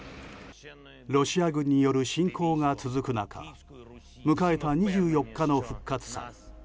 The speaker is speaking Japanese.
ロシア軍による侵攻が続く中迎えた２４日の復活祭。